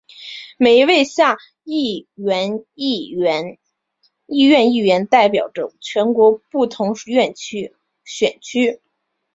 每一位下议院议员代表着全国不同选区。